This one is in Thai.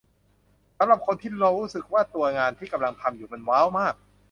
สำหรับคนที่รู้สึกว่าตัวงานที่กำลังทำอยู่มันว้าวมาก